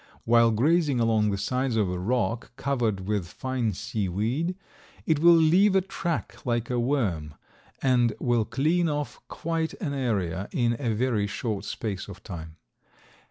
While grazing along the sides of a rock covered with fine sea weed, it will leave a track like a worm and will clean off quite an area in a very short space of time.